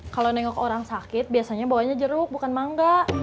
kalau nengok orang sakit biasanya bawanya jeruk bukan mangga